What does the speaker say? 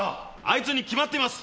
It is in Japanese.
あいつに決まってます。